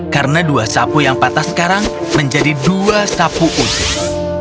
karena dua sapu yang patah sekarang menjadi dua sapu usik